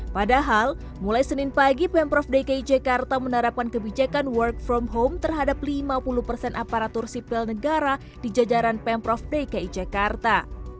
padahal mulai senin pagi pemprov dki jakarta menerapkan kebijakan work from home terhadap lima puluh persen aparatur sipil negara di jajaran pemprov dki jakarta